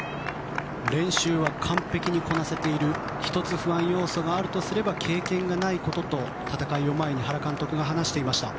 練習は完璧にこなせている１つ不安要素があるとすれば経験がないことと戦いを前に原監督が話していました。